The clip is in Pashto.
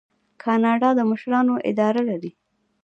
کاناډا د مشرانو اداره لري.